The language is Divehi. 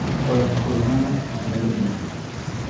އިސްކޮޅު ކުރުނޫނަސް މެދުމިނެއް